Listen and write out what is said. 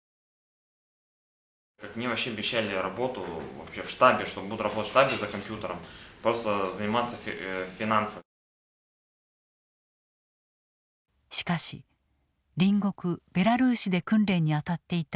しかし隣国ベラルーシで訓練に当たっていた去年２月２３日